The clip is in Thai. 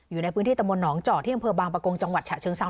อยู่ในพื้นที่ตะมนตหนองเจาะที่อำเภอบางประกงจังหวัดฉะเชิงเซา